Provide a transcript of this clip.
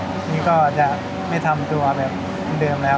อันนี้ก็จะไม่ทำตัวแบบเดิมแล้ว